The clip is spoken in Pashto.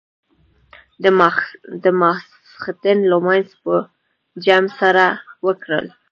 د ماخستن لمونځونه مو په جمع سره وکړل.